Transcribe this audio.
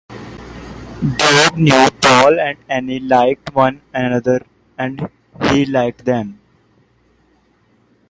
Doug knew Paul and Annie liked one another and he liked them.